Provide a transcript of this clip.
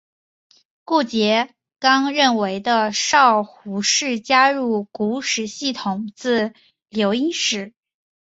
顾颉刚认为的少昊氏加入古史系统自刘歆始。